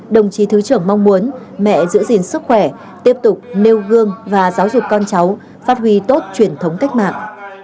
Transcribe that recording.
đồng chí thứ trưởng mong muốn mẹ giữ gìn sức khỏe tiếp tục nêu gương và giáo dục con cháu phát huy tốt truyền thống cách mạng